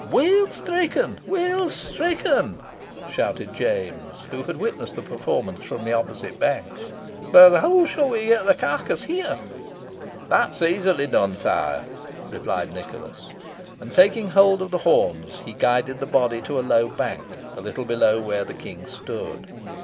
"Weel stricken! weel stricken!" shouted James, who had witnessed the performance from the opposite bank. "But how shall we get the carcase here?" "That is easily done, sire," replied Nicholas. And taking hold of the horns, he guided the body to a low bank, a little below where the King stood.